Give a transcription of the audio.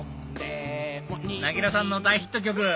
なぎらさんの大ヒット曲